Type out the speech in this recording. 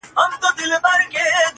که زه تنها د هیریدو دې ډیره هڅه وکړم